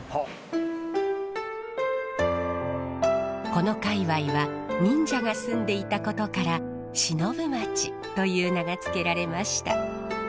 この界わいは忍者が住んでいたことから忍町という名が付けられました。